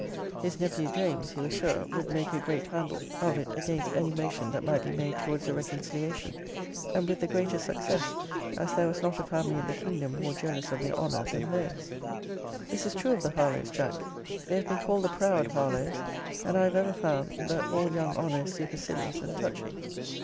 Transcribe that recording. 'His nephew James, he was sure, would make a great handle of it against any motion that might be made towards a reconciliation; and with the greater success, as there was not a family in the kingdom more jealous of their honour than theirs.' This is true of the Harlowes, Jack: they have been called The proud Harlowes: and I have ever found, that all young honour is supercilious and touchy.